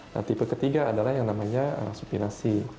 nah tipe ketiga adalah yang namanya supinasi